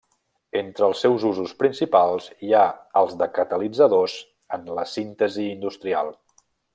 Entre els seus usos principals hi ha els de catalitzadors en la síntesi industrial.